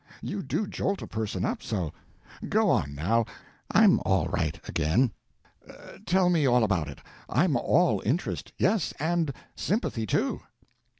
You do jolt a person up, so. Go on, now, I am all right again. Tell me all about it. I'm all interest—yes, and sympathy, too."